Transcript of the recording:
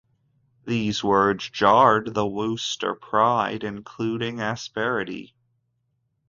These words jarred the Wooster pride, inducing asperity.